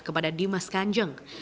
kepada dimas kanjeng